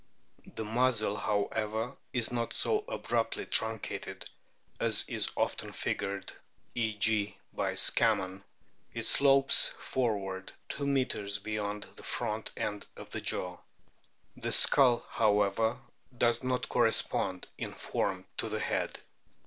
The muzzle, how ever, is not so abruptly truncated as is often figured (e.g., by Scammon) ; it slopes forward two metres beyond the front end of the jaw.* The skull, how ever, does not correspond in form to the head.